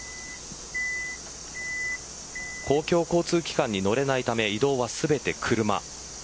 公共交通機関に乗れないため移動は全て車。